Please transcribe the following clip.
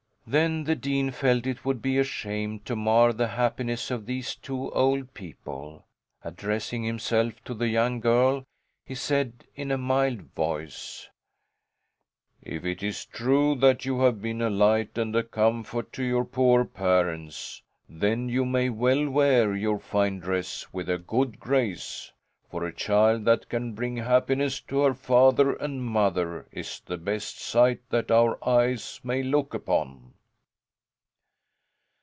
Then the dean felt it would be a shame to mar the happiness of these two old people. Addressing himself to the young girl, he said in a mild voice: "If it is true that you have been a light and a comfort to your poor parents, then you may well wear your fine dress with a good grace. For a child that can bring happiness to her father and mother is the best sight that our eyes may look upon."